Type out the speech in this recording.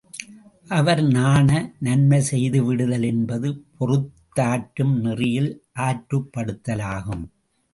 அவர் நாண நன்மை செய்துவிடுதல் என்பது பொறுத்தாற்றும் நெறியில் ஆற்றுப் படுத்துதலாகும்.